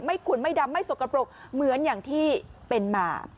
ขุนไม่ดำไม่สกปรกเหมือนอย่างที่เป็นมา